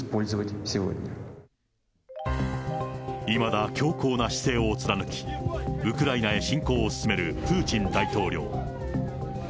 いまだ強硬な姿勢を貫き、ウクライナへ侵攻を強めるプーチン大統領。